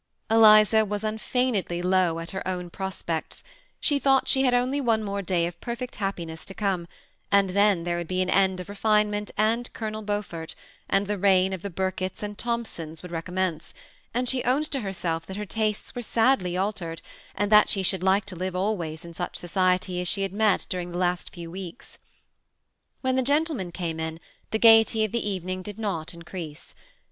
.' Eliza was unfeignedly low at her own prospects ; she thought she had only one more day of perfect happi ness to come, and then' there would he an end of refinement, and Colonel Beaufort, and the reign of the Birketts and Thompsons would recommence ; and she owned to herself that her tastes were sadly altered, and that she should like to live always in such society as she had met during the last few weeks. When the gentlemen came in, the gayety of the even ing did not Increase.